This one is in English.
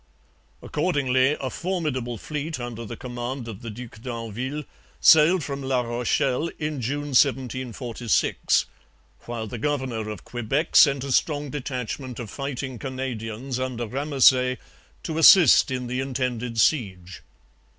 Accordingly, a formidable fleet, under the command of the Duc d'Anville, sailed from La Rochelle in June 1746; while the governor of Quebec sent a strong detachment of fighting Canadians under Ramesay to assist in the intended siege.